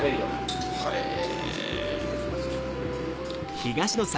へぇ。